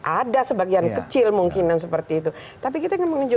ada sebagian kecil mungkinan seperti itu